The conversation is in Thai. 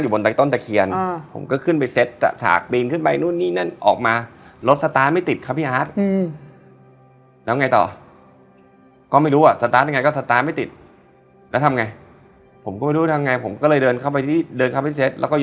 พี่มันคนลุกน้าน่ากลัวน่ากลัว